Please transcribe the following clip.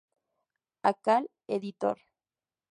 Akal Editor.